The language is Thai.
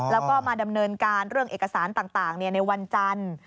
แล้วก็มาดำเนินการเรื่องเอกสารต่างในวันจันทร์